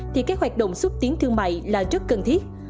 thì các hoạt động xúc tiến thương mại là rất cần thiết